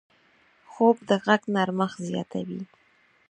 خوب د غږ نرمښت زیاتوي